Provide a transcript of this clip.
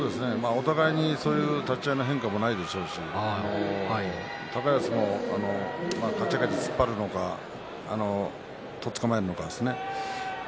お互いそんなに立ち合いの変化もないでしょうし高安もかち上げて突っ張るのかとっ捕まえるのかですね。